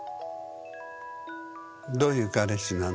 どういう彼氏なの？